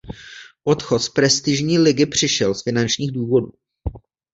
Odchod z prestižní ligy přišel z finančních důvodů.